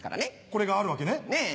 これがあるわけね。